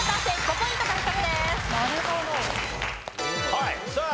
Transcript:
はいさあ